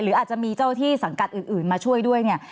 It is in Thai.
อาจจะมีเจ้าที่สังกัดอื่นมาช่วยด้วยเนี่ย